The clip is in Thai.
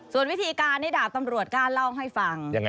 ส่วนวิธีการนี้ดาบตำรวจกล้าเล่าให้ฟัง